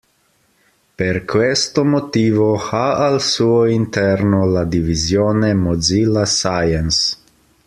Per questo motivo ha al suo interno la divisione Mozilla Science.